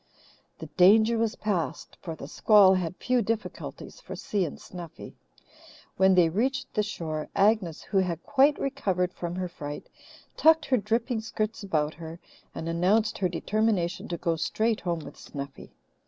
The danger was past, for the squall had few difficulties for Si and Snuffy. When they reached the shore, Agnes, who had quite recovered from her fright, tucked her dripping skirts about her and announced her determination to go straight home with Snuffy.